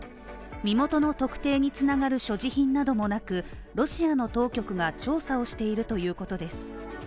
身元の特定に繋がる所持品などもなく、ロシアの当局が調査をしているということです。